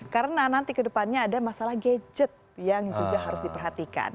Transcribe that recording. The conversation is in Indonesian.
karena nanti ke depannya ada masalah gadget yang juga harus diperhatikan